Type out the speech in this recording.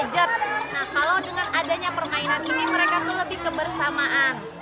nah kalau dengan adanya permainan ini mereka tuh lebih kebersamaan